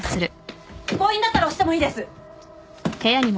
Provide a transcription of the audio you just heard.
母印だったら押してもいいです。